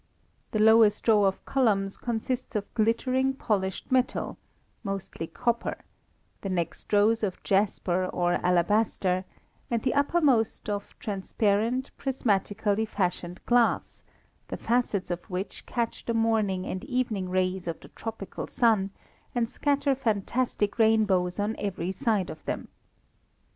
The lowest row of columns consists of glittering, polished metal (mostly copper), the next rows of jasper or alabaster, and the uppermost of transparent, prismatically fashioned glass, the facets of which catch the morning and evening rays of the tropical sun, and scatter fantastic rainbows on every side of them.